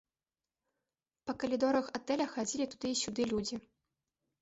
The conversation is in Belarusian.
Па калідорах атэля хадзілі туды і сюды людзі.